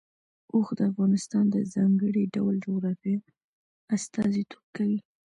اوښ د افغانستان د ځانګړي ډول جغرافیه استازیتوب کوي.